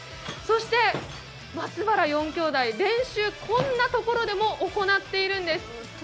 そして、松原４兄弟、練習をこんなところでも行っているんです。